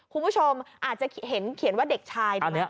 คุณผู้ชมอาจจะเห็นเขียนว่าเด็กชายถูกไหม